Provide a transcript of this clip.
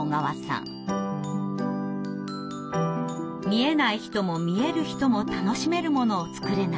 「見えない人も見える人も楽しめるものを作れないか」。